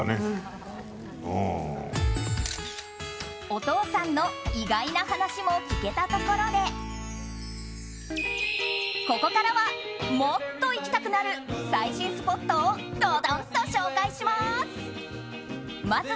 お父さんの意外な話も聞けたところでここからは、もっと行きたくなる最新スポットをどどんと紹介します！